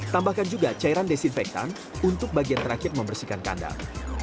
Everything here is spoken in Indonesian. tambahkan juga cairan desinfektan untuk bagian terakhir membersihkan kandang